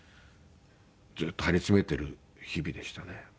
ずっと張り詰めてる日々でしたね。